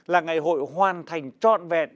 là ngày hội hoàn thành trọn vẹn